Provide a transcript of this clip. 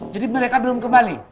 jadi mereka belum kembali